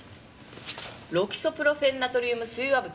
ロキソプロフェンナトリウム水和物。